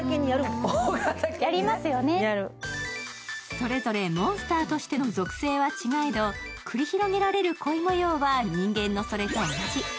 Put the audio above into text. それぞれモンスターとしての属性は違えど、繰り広げられる恋模様は人間のそれと同じ。